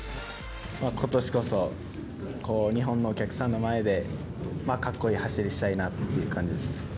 ことしこそ、日本のお客さんの前で、かっこいい走りしたいなっていう感じですね。